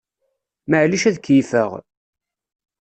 Maɛlic ad keyyfeɣ?